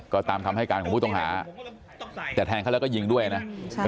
ก็ตามคำให้การของผู้ต้องหาแต่แทงเขาแล้วก็ยิงด้วยนะ